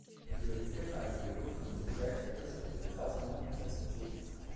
Le ferrage des bovins de trait est aujourd'hui rarement pratiqué.